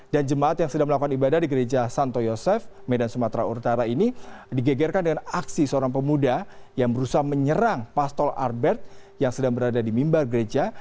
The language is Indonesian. dan jemaat yang sedang melakukan ibadah di gereja santo yosef medan sumatera utara ini digegerkan dengan aksi seorang pemuda yang berusaha menyerang pastor arbert yang sedang berada di mimbar gereja